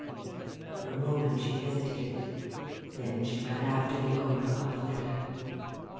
For a moment she hesitated. Then she ran after the owner of the letter.